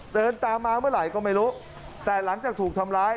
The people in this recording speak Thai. เดินตามมาเมื่อไหร่ก็ไม่รู้แต่หลังจากถูกทำร้าย